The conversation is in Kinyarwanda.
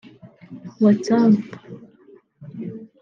Whatsapp